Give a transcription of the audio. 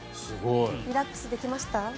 リラックスできました？